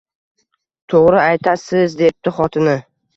- To‘g‘ri aytasiz - debdi xotini